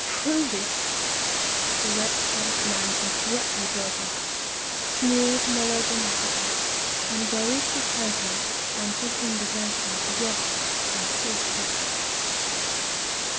Prove it! The red faced man abruptly broke off, sneered melo The Red faced Man waxes warm. 177 dramatically, and buried his countenance and his indignation together, in a quart pot.